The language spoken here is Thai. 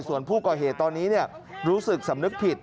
ส่วนผู้ก่อเหตุตอนนี้รู้สึกสำนึกผิด